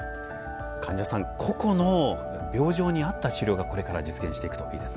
患者さん個々の病状に合った治療がこれから実現していくといいですね。